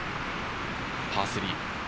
パー３。